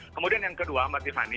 kemudian yang kedua mbak tiffany